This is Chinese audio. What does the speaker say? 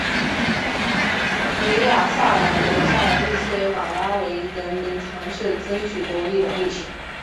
尼亚萨兰留下了一些马拉维人民尝试争取独立的历史。